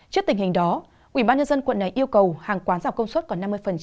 trước tình hình đó ubnd quận này yêu cầu hàng quán giảm công suất còn năm mươi